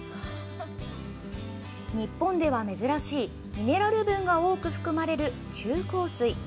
日本では珍しい、ミネラル分が多く含まれる中硬水。